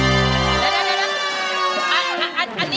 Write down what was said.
เดี๋ยว